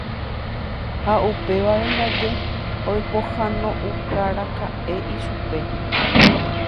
Ha upévare ndaje oipohãnoukáraka'e ichupe.